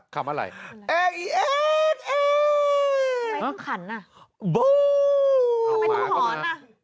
คำอะไรไออีเอ๊เอ๊อะทำไมต้องขันอ่ะไม่ต้องหอนอ่ะ